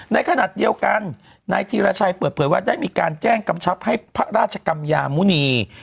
ในขณะเดียวกันนายธีรชัยเปิดเผยว่าได้มีการแจ้งกำชับให้พระราชกำยามุณี